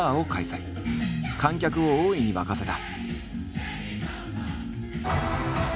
観客を大いに沸かせた。